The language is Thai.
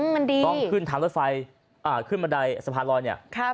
มันดีต้องขึ้นทางรถไฟขึ้นบันไดสะพานลอยเนี่ย